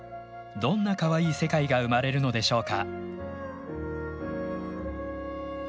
どんなかわいい世界が生まれるのでしょうか？